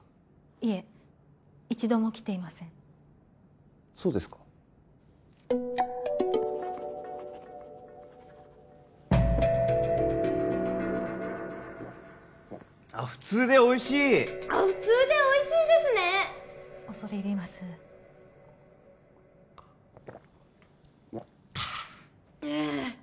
いえ一度も来ていませんそうですかあっ普通でおいしいあっ普通でおいしいですね恐れ入りますあーあー